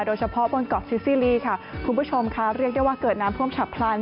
โดยเฉพาะบนเกาะซิซีรีสค่ะคุณผู้ชมค่ะเรียกได้ว่าเกิดน้ำท่วมฉับพลัน